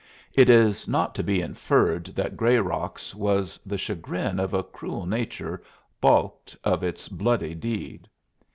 It is not to be inferred that Grayrock's was the chagrin of a cruel nature balked of its bloody deed.